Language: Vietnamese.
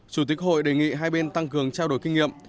chủ tịch hội đề nghị hai bên tăng cường trao đổi kinh nghiệm